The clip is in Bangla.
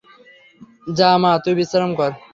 যা মা, তুই বিশ্রাম কর।